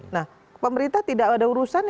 nah pemerintah tidak ada urusan